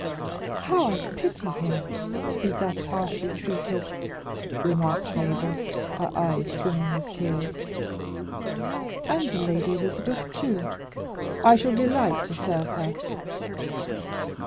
"How I pity him, to be thus harshly treated!" remarked Mabel, her eyes swimming with tears, "and the Lady Elizabeth too! I shall delight to serve her."